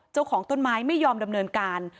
เจ้าของต้นไม้ไม่ยอมดำเนินการ